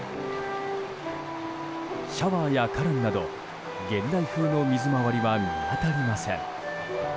シャワーやカランなど現代風の水回りは見当たりません。